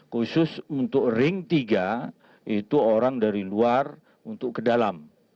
khusus untuk ring tiga itu orang dari luar untuk ke dalam